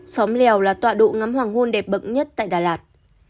xóm lèo là tọa độ ngắm hoàng hôn đẹp nhất tại đà lạt